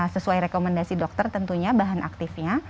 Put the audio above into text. sesuai rekomendasi dokter tentunya bahan aktifnya